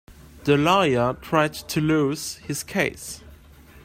The lawyer tried to lose his case.